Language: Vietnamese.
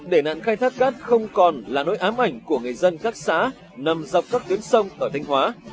để nạn khai thác cát không còn là nỗi ám ảnh của người dân các xã nằm dọc các tuyến sông ở thanh hóa